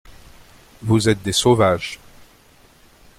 Vous êtes des sauvages !